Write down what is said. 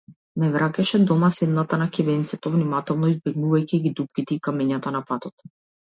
Ме враќаше дома седната на ќебенцето, внимателно избегнувајќи ги дупките и камењата на патот.